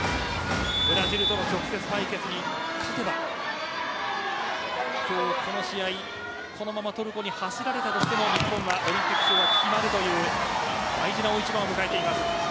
ブラジルとの直接対決に勝てば今日、この試合そのままトルコに走られたとしても日本はオリンピックが決まるという大事な大一番を迎えています。